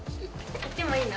言ってもいいの？